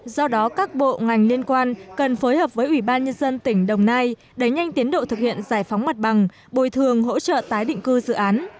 do đó các bộ ngành liên quan cần phối hợp với ủy ban nhân dân tỉnh đồng nai đẩy nhanh tiến độ thực hiện giải phóng mặt bằng bồi thường hỗ trợ tái định cư dự án